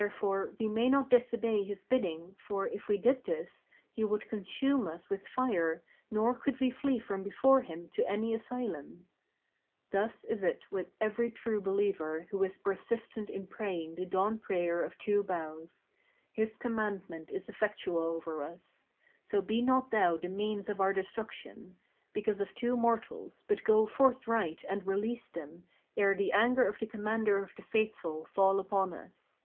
Wherefore we may not disobey his bidding for, if we did this, he would consume us with fire nor could we flee from before him to any asylum. Thus is it with every True Believer who is persistent in praying the dawn prayer of two bows; his commandment is effectual over us: so be not thou the means of our destruction, because of two mortals, but go forthright and release them, ere the anger of the Commander of the Faithful fall upon us."